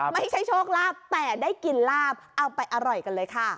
ไม่ใช่โชคลาภแต่ได้กินลาบเอาไปอร่อยกันเลยค่ะ